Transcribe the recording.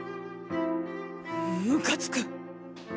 ムカつく！